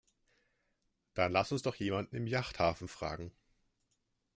Dann lass uns doch jemanden im Yachthafen fragen.